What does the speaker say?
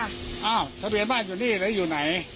อ้าวทะเบียนบ้านอยู่นี่หรืออยู่ไหน